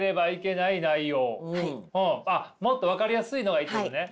あっもっと分かりやすいのがいいってことね！